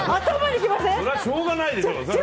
それはしょうがないでしょ。